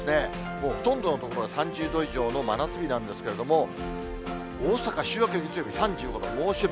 もうほとんどの所は３０度以上の真夏日なんですけれども、大阪、週明け月曜日、３５度、猛暑日。